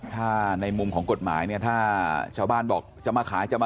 ถ้าในมุมของกฎหมายถ้าชาวบ้านบอกจะขาย